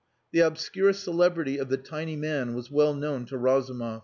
The obscure celebrity of the tiny man was well known to Razumov.